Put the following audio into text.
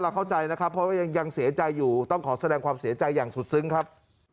เข้าใจนะครับเพราะว่ายังเสียใจอยู่ต้องขอแสดงความเสียใจอย่างสุดซึ้งครับ